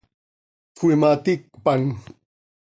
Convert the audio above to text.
Cöimaticpan.